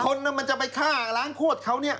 มันจะไปฆ่าล้างโคตรเขาเนี่ย